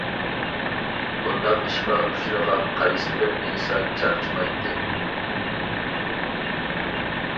بۇنداق ئىشقا ئۇچرىغان قايسىبىر ئىنسان چارچىمايتتى؟ !